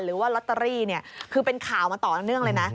หรือว่าลอตเตอรี่เนี่ยคือเป็นข่าวมาต่อเนื่องเลยนะ